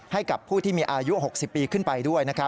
ให้กับผู้ที่มีอายุ๖๐ปีขึ้นไปด้วยนะครับ